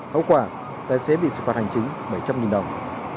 hậu quả tài xế bị xử phạt hành chính bảy trăm linh đồng